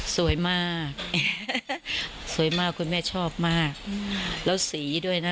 สวยมากสวยมากคุณแม่ชอบมากแล้วสีด้วยนะ